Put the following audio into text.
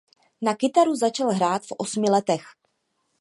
Na kytaru začal hrát v osmi letech.